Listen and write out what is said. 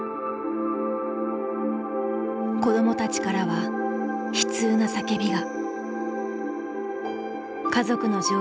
子どもたちからは悲痛な叫びが。